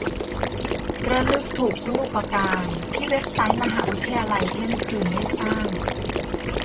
ระลึกถูกคุณูปการที่เว็บไซต์มหาวิทยาลัยเที่ยงคืนได้สร้าง